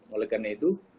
oleh karena itu